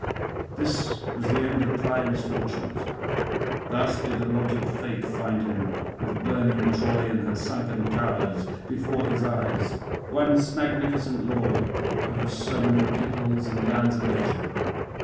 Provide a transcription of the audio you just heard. This was the end of Priam's fortunes; thus did allotted fate find him, with burning Troy and her sunken towers before his eyes, once magnificent lord over so many peoples and lands of Asia.